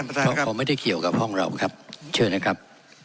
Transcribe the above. เพราะเขาไม่ได้เกี่ยวกับห้องเราครับเชิญนะครับ